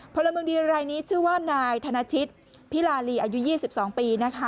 พลเมืองดีรายนี้ชื่อว่านายธนชิตพิลาลีอายุ๒๒ปีนะคะ